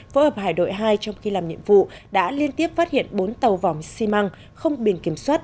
phối hợp hải đội hai trong khi làm nhiệm vụ đã liên tiếp phát hiện bốn tàu vòng xi măng không biển kiểm soát